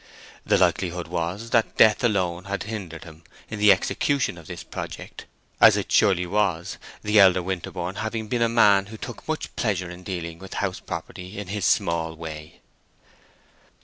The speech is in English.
The likelihood was that death alone had hindered him in the execution of his project, as it surely was, the elder Winterborne having been a man who took much pleasure in dealing with house property in his small way.